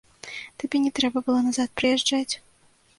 Табе не трэба было назад прыязджаць.